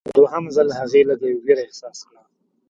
دوهم ځل هغې لږ ویره احساس کړه.